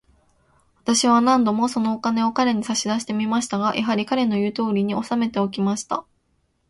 私は何度も、そのお金を彼に差し出してみましたが、やはり、彼の言うとおりに、おさめておきました。